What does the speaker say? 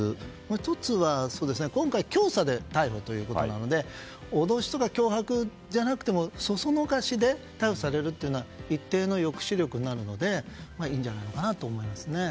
今回、教唆で逮捕ということで脅しとか脅迫じゃなくてそそのかしで逮捕されるのは一定の抑止力になるのでいいんじゃないかなと思います。